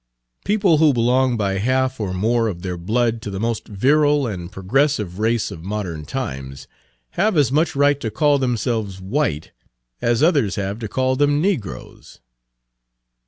People who belong by half or more of their blood to the most virile and progressive race of modern times have as much right to call themselves white as others have to call them negroes."